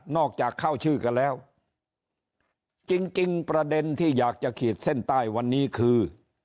จากเข้าชื่อกันแล้วจริงประเด็นที่อยากจะขีดเส้นใต้วันนี้คือ